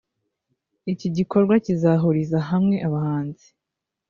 Iki gikorwa kizahuriza hamwe abahanzi